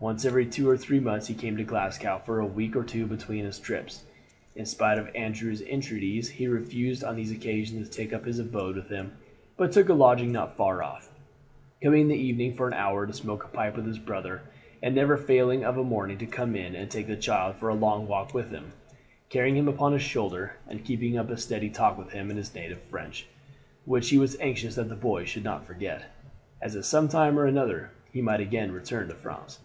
Once every two or three months he came to Glasgow for a week or two between his trips. In spite of Andrew's entreaties he refused on these occasions to take up his abode with him, but took a lodging not far off, coming in the evening for an hour to smoke a pipe with his brother, and never failing of a morning to come in and take the child for a long walk with him, carrying him upon his shoulder, and keeping up a steady talk with him in his native French, which he was anxious that the boy should nor forget, as at some time or other he might again return to France.